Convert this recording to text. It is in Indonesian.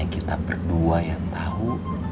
hanya kita berdua yang tau